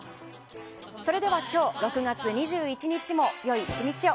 それでは今日６月２１日も良い１日を。